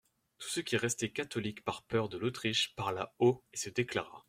Tout ce qui restait catholique par peur de l'Autriche parla haut et se déclara.